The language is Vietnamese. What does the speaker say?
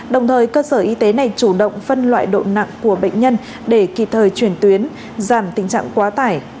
đồng thời cơ sở y tế này chủ động phân loại độ nặng của bệnh nhân để kịp thời chuyển tuyến giảm tình trạng quá tải